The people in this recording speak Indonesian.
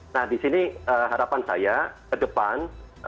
nah di sini harapan saya ke depan